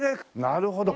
なるほど。